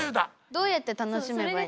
どうやって楽しめばいい？